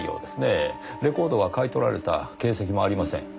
レコードが買い取られた形跡もありません。